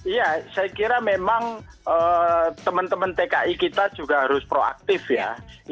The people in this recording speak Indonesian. ya saya kira memang teman teman tki kita juga harus proaktif ya